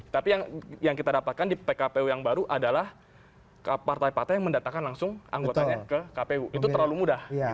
tapi yang kita dapatkan di pkpu yang baru adalah partai partai yang mendatakan langsung anggotanya ke kpu itu terlalu mudah